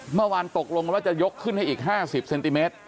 เมื่อวานตกลงกันว่าจะยกขึ้นให้อีก๕๐เซนติเมตร